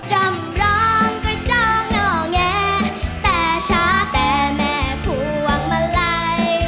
กำร้องไปจ๊อกหน่อยแงแทะชะแยะแหมผัวมาไล